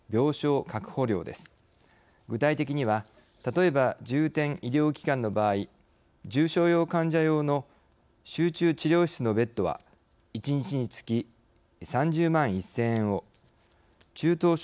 具体的には例えば重点医療機関の場合重症用患者用の集中治療室のベッドは１日につき３０万１，０００円を中等症